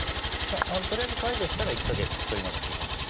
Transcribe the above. とりあえず解除したら１か月というのが基本です。